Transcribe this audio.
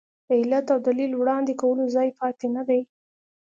د علت او دلیل وړاندې کولو ځای پاتې نه دی.